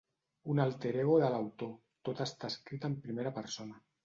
Un alter ego de l'autor, tot està escrit en primera persona.